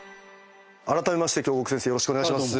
あらためまして京極先生よろしくお願いします。